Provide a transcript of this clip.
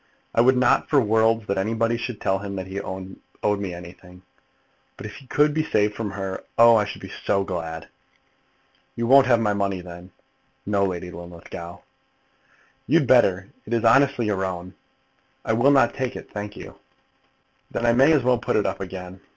I would not for worlds that anybody should tell him that he owed me anything; but if he could be saved from her, oh, I should be so glad." "You won't have my money, then?" "No, Lady Linlithgow." "You'd better. It is honestly your own." "I will not take it, thank you." "Then I may as well put it up again."